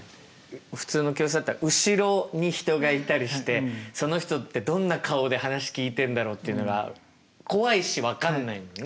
普通の教室だったら後ろに人がいたりしてその人ってどんな顔で話聞いてんだろうっていうのが怖いし分かんないもんね。